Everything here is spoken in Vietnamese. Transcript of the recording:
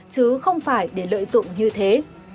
chứ không phải để lợi dụng như thế